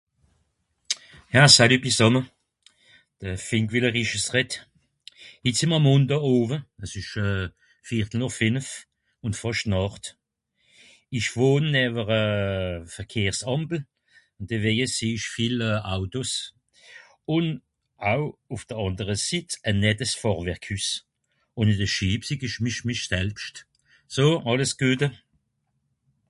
ja salüt bìsàmme de ... rett hit sìmm'r Mondaa òwe à s'esch viertel nòr fenef ùn fàcht nàcht isch wohn newer a euh verkehrs àmple deweije seh isch viel Autos ùn aw ùff de àndere Sit à nettes (Vorwerkhüss ?) ùn ìn de Schiib sig isch misch misch selbscht so àlles guet